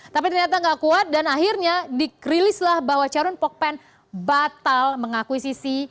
tapi ternyata tidak kuat dan akhirnya di rilislah bahwa charon pogpeng batal mengakuisisi